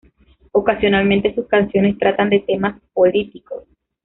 Ocasionalmente sus canciones tratan de temas políticos.